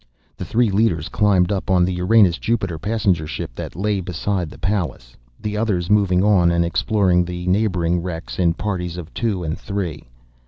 The three leaders climbed up on the Uranus Jupiter passenger ship that lay beside the Pallas, the others moving on and exploring the neighboring wrecks in parties of two and three.